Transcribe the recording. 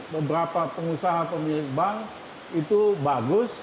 beberapa pengusaha pemilik bank itu bagus